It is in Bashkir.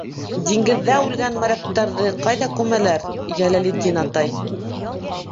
- Диңгеҙҙә үлгән моряктарҙы ҡайҙа күмәләр, Йәләлетдин атай?